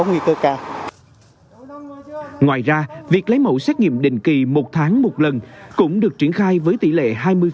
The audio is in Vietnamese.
ngoài ra việc lấy mẫu xét nghiệm định kỳ một tháng một lần cũng được triển khai với tỷ lệ hai mươi